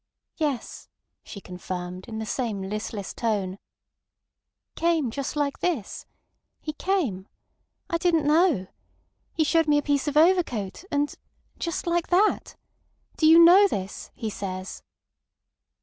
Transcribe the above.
"Yes," she confirmed in the same listless tone. "He came just like this. He came. I didn't know. He showed me a piece of overcoat, and—just like that. Do you know this? he says."